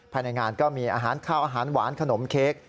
ภายในงานก็มีอาหารข้าวอาหารหวานขนมเค้ก